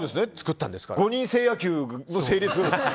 ５人制野球の成立。